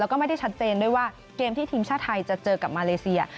แล้วก็ไม่ได้ชัดเจนด้วยว่าเกมที่ทีมชาติไทยจะเจอกับมาเลเซีย